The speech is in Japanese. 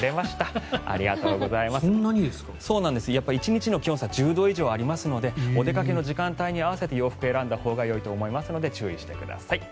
１日の気温差１０度以上ありますのでお出かけの時間帯に合わせて洋服を選んだほうがいいと思いますので注意してください。